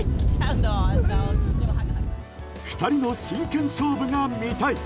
２人の真剣勝負が見たい。